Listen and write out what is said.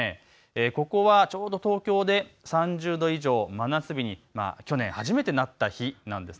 ここは東京で３０度以上、真夏日、去年初めてなった日なんです。